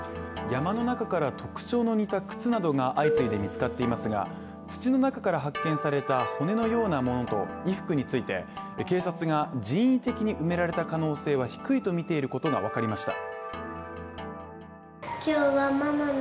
山の中から特徴の似た靴などが相次いで見つかっていますが、土の中から発見された骨のようなものと衣服について警察が人為的に埋められた可能性は低いとみていることがわかりました。